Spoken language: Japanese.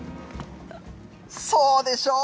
そうでしょう。